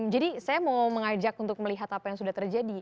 jadi saya mau mengajak untuk melihat apa yang sudah terjadi